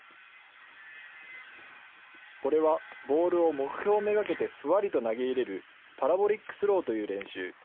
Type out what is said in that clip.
これはボールを目標目がけてふわりと投げ入れる、パラボリックスローという練習。